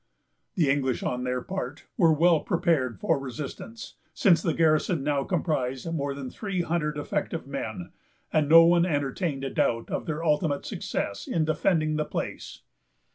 The English, on their part, were well prepared for resistance, since the garrison now comprised more than three hundred effective men; and no one entertained a doubt of their ultimate success in defending the place.